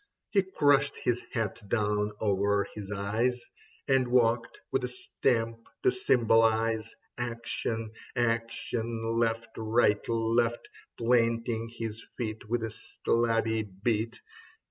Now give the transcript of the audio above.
He crushed his hat down over his eyes And walked with a stamp to symbolise Action, action — left, right, left ; Planting his feet with a slabby beat.